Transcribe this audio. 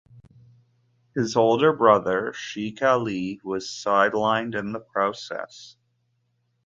His elder brother Sheikh Ali was sidelined in the process.